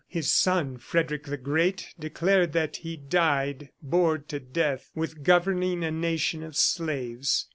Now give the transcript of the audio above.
His son, Frederick the Great, declared that he died, bored to death with governing a nation of slaves.